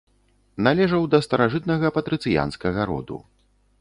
Належаў да старажытнага патрыцыянскага роду.